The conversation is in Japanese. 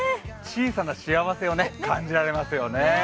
小さな幸せを感じられますよね。